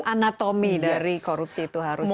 anatomi dari korupsi itu harus